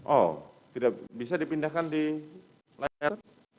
oh tidak bisa dipindahkan di layar